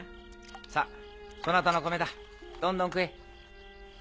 さぁそなたの米だどんどん食え。